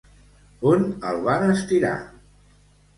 On el van estirar?